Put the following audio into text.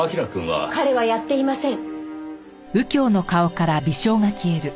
彼はやっていません。